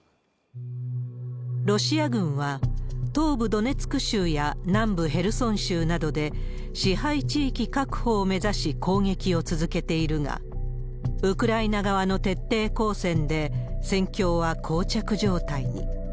ロシア軍は、東部ドネツク州や南部ヘルソン州などで、支配地域確保を目指し攻撃を続けているが、ウクライナ側の徹底抗戦で、戦況はこう着状態に。